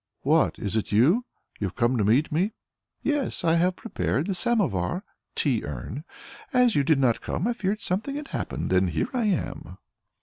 "What! Is it you? You come to meet me?" "Yes, I have prepared the samovar (tea urn). As you did not come, I feared something had happened, and here I am."